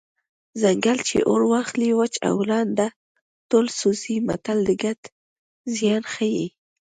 ځنګل چې اور واخلي وچ او لانده ټول سوځي متل د ګډ زیان ښيي